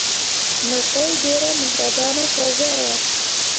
مکۍ ډېره مهربانه ښځه وه.